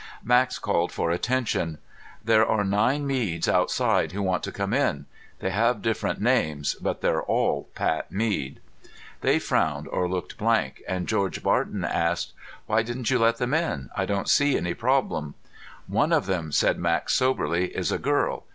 Max called for attention. "There are nine Meads outside who want to come in. They have different names, but they're all Pat Mead." They frowned or looked blank, and George Barton asked, "Why didn't you let them in? I don't see any problem." "One of them," said Max soberly, "is a girl.